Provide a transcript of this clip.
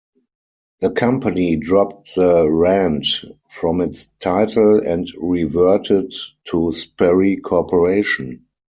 The company dropped the "Rand" from its title and reverted to Sperry Corporation.